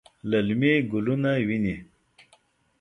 للمي ګلونه ویني